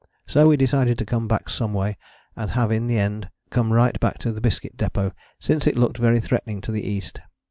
"So we decided to come back some way, and have in the end come right back to the Biscuit Depôt, since it looked very threatening to the east.